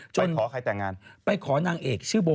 ขอใครแต่งงานไปขอนางเอกชื่อโบ